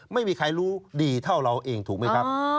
ไม่มีใครรู้ดีเท่าเราเองถูกไหมครับ